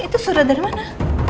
itu surat dari mana